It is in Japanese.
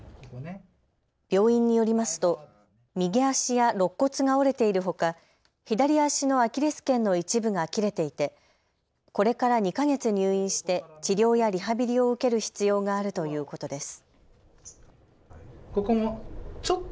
病院によりますと右足やろっ骨が折れているほか左足のアキレスけんの一部が切れていてこれから２か月入院して治療やリハビリを受ける必要があるということです。